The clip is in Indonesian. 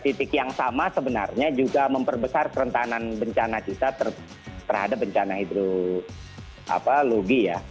pembangunan air yang sama sebenarnya juga memperbesar kerentanan bencana kita terhadap bencana hidrologi ya